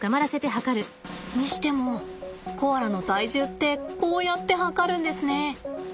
にしてもコアラの体重ってこうやって量るんですね。